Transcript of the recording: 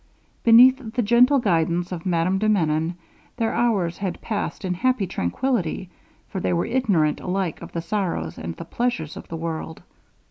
Beneath the gentle guidance of Madame de Menon, their hours had passed in happy tranquillity, for they were ignorant alike of the sorrows and the pleasures of the world.